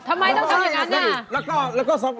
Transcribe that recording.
ทำไมต้องทำอย่างนั้น